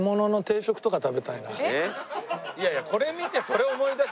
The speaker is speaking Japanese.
いやいやこれ見てそれ思い出します？